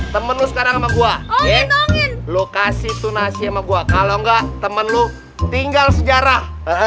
temen lu sekarang sama gua lo kasih tuh nasi sama gua kalau nggak temen lu tinggal sejarah